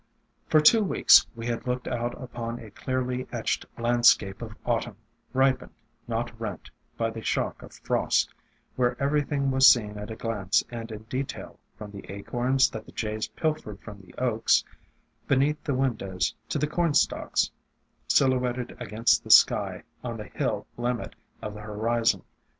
For two weeks we had looked out upon a clearly etched landscape of Autumn, ripened, not rent, by the shock of frost, where everything was seen at a glance and in detail, from the acorns that the Jays pilfered from the Oaks, beneath the win dows, to the cornstalks silhouetted against the sky on the hill limit of the horizon.